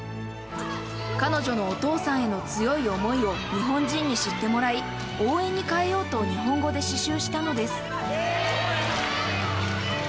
彼女のお父さんへの強い思いを日本人に知ってもらい、応援に変えようと、日本語で刺しゅうしたのです。